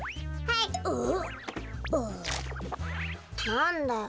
なんだよ？